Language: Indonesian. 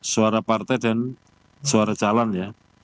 suara partai dan suara calon ya